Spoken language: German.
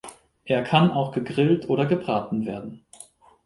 Er kann auch gegrillt oder gebraten werden.